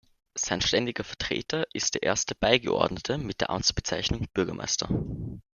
Sein ständiger Vertreter ist der Erste Beigeordnete mit der Amtsbezeichnung Bürgermeister.